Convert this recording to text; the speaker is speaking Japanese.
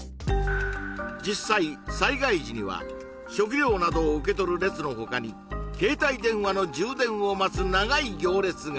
実際災害時には食料などを受け取る列のほかに携帯電話の充電を待つ長い行列が！